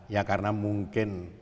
ya karena mungkin